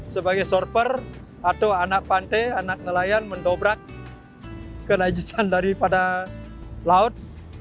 sebagai surfer atau anak pante anak nelayan mendobrak ke najisan daripada laut